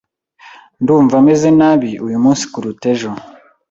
Ndumva meze nabi uyu munsi kuruta ejo.